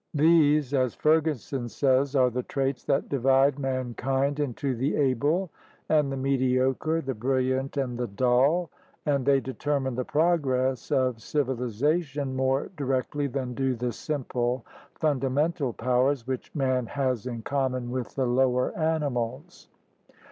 These, as Ferguson' says, are the traits that "divide mankind into the able and the mediocre, the brilliant and the dull, and they determine the progress of civilization more directly than do the simple fundamental powers which man has in common with the lowefr animals."